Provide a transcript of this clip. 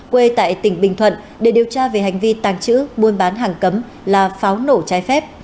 quê tại tỉnh bình thuận để điều tra về hành vi tàng trữ buôn bán hàng cấm là pháo nổ trái phép